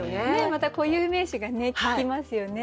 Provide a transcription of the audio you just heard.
また固有名詞が効きますよね